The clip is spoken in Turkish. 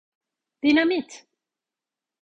Dinamit!